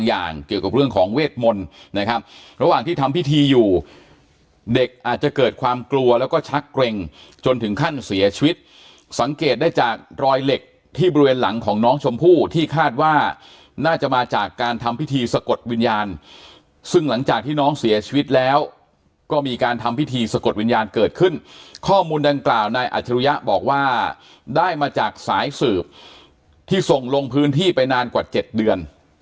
อาจจะเกิดความกลัวแล้วก็ชักเกร็งจนถึงขั้นเสียชีวิตสังเกตได้จากรอยเหล็กที่บริเวณหลังของน้องชมพู่ที่คาดว่าน่าจะมาจากการทำพิธีสะกดวิญญาณซึ่งหลังจากที่น้องเสียชีวิตแล้วก็มีการทำพิธีสะกดวิญญาณเกิดขึ้นข้อมูลดังกล่าวนายอาชิริยะบอกว่าได้มาจากสายสืบที่ส่งลงพื